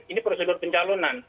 ini prosedur pencalonan